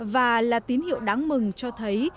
và là tín hiệu đáng mừng cho thấy